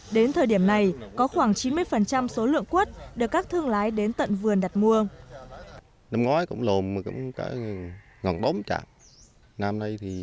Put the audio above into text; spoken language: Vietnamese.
đến thời điểm này có khoảng chín mươi số lượng quất được các thương lái đến tận vườn đặt mua